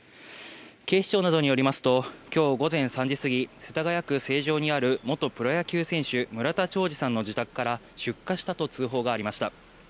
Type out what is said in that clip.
警視庁などによりますと今日午前３時すぎ、世田谷区成城にある元プロ野球選手・村田兆治さんの自宅から出火したと通報がありました。